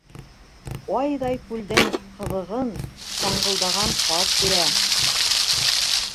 Айҙай күлдең ҡыҙығын ҡаңғылдаған ҡаҙ күрә.